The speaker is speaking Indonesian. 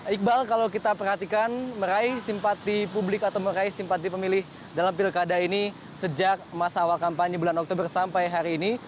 iqbal kalau kita perhatikan meraih simpati publik atau meraih simpati pemilih dalam pilkada ini sejak masa awal kampanye bulan oktober sampai hari ini